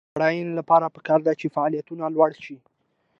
د پښتو ژبې د بډاینې لپاره پکار ده چې فعالیتونه لوړ شي.